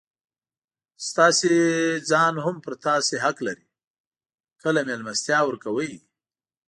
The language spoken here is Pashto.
ستاسي ځان هم پر تاسو حق لري؛ کله مېلمستیا ورکوئ!